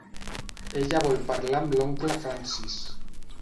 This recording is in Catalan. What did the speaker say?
Ella vol parlar amb l'oncle Francis.